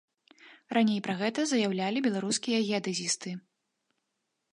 Раней пра гэта заяўлялі беларускія геадэзісты.